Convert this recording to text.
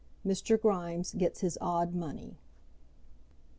Mr. Grimes Gets His Odd Money.